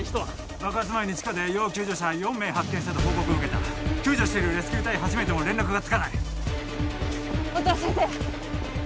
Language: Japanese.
爆発前に地下で要救助者４名発見したと報告を受けた救助してるレスキュー隊８名とも連絡がつかない音羽先生！